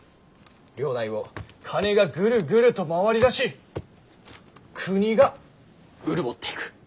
領内を金がぐるぐると回りだし国が潤っていく。